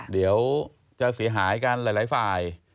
เดี๋ยวจะเสียหายกันหลายฝ่าย